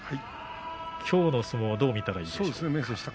きょうの相撲どう見たらいいでしょうか。